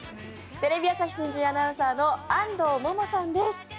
テレビ朝日新人アナウンサーの安藤萌々さんです。